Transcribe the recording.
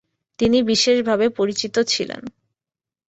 তিনি বিশেষভাবে পরিচিত ছিলেন।